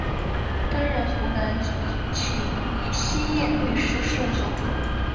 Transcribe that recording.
担任湖南秦希燕律师事务所主任。